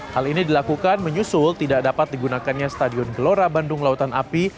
hal ini dilakukan menyusul tidak dapat digunakannya stadion gelora bandung lautan api